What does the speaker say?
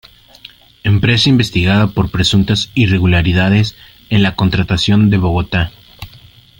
Empresa investigada por presuntas irregularidades en la contratación de Bogotá.